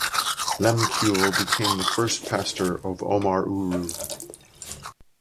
Lehmkuhl became the first pastor of Omaruru.